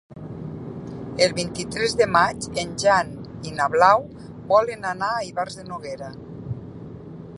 El vint-i-tres de maig en Jan i na Blau volen anar a Ivars de Noguera.